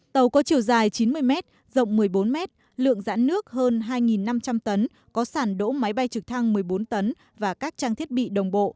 tàu có chiều dài chín mươi m rộng một mươi bốn mét lượng dãn nước hơn hai năm trăm linh tấn có sản đỗ máy bay trực thăng một mươi bốn tấn và các trang thiết bị đồng bộ